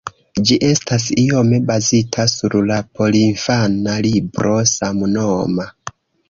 Ĝi estas iome bazita sur la porinfana libro samnoma.